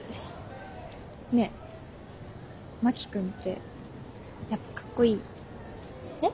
ねえ真木君ってやっぱかっこいい？え。